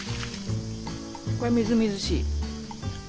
これみずみずしい。